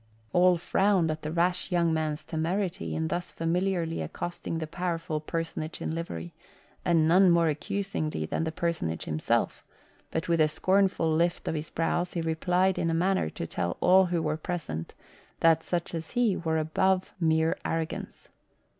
All frowned at the rash young man's temerity in thus familiarly accosting the powerful personage in livery, and none more accusingly than the personage himself; but with a scornful lift of his brows he replied in a manner to tell all who were present that such as he were above mere arrogance.